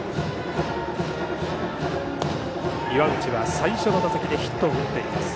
岩内は最初の打席でヒットを打っています。